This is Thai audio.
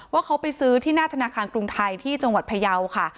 ว่าเขาไปซื้อที่หน้าธนาคารกรุงไทยที่จังหวัดพยาวค่ะ